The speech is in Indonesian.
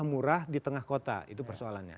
murah di tengah kota itu persoalannya